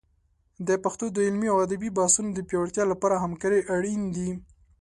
د پښتو د علمي او ادبي بحثونو د پیاوړتیا لپاره همکارۍ اړین دي.